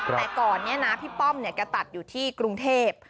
แต่ก่อนนี้นะพี่ป้อมก็ตัดอยู่ที่กรุงเทพฯ